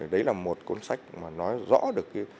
đấy là một cuốn sách mà nói rõ được